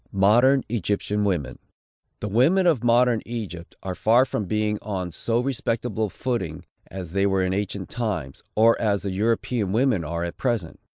MODERN EGYPTIAN WOMEN. The women of modern Egypt are far from being on so respectable a footing as they were in ancient times, or as the European women are at present.